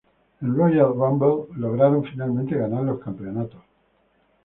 En Royal Rumble lograron finalmente ganar los campeonatos.